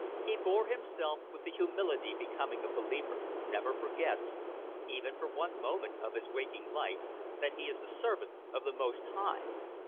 He bore himself with the humility becoming a Believer, who never forgets, even for one moment of his waking life, that he is the servant of the Most High.